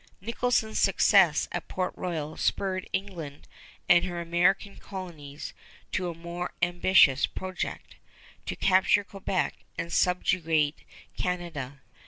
Nicholson's success at Port Royal spurred England and her American colonies to a more ambitious project, to capture Quebec and subjugate Canada.